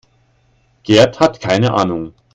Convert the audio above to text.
Gerd hat keine Ahnung.